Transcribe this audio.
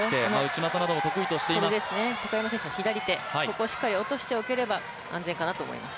高山選手の左手、ここをしっかり落としておければ安全かなと思います。